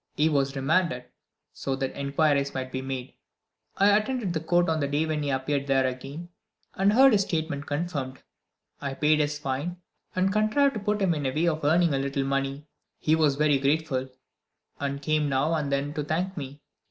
He was remanded, so that inquiries might be made. I attended the court on the day when he appeared there again, and heard his statement confirmed. I paid his fine, and contrived to put him in a way of earning a little money. He was very grateful, and came now and then to thank me.